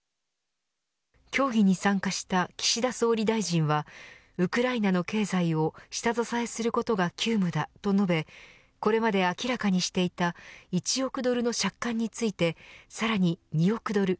協議に参加した岸田総理大臣はウクライナの経済を下支えすることが急務だと述べこれまで明らかにしていた１億ドルの借款についてさらに２億ドル